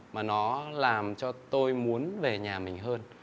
mà nó làm cho tôi muốn về nhà mình hơn